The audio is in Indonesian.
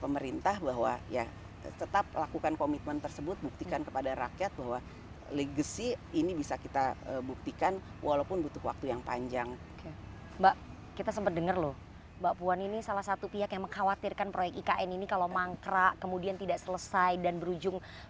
mbak kita sempat dengar loh mbak puan ini salah satu pihak yang mengkhawatirkan proyek ikn ini kalau mangkrak kemudian tidak selesai dan berujung